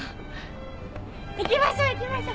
行きましょ行きましょ。